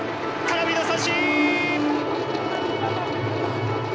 空振りの三振！」。